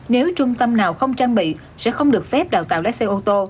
nếu trung tâm nào không trang bị sẽ không được phép đào tạo lái xe ô tô